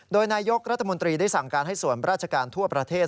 โดยนายกรัฐมนตรีได้สั่งการให้ส่วนราชการทั่วประเทศ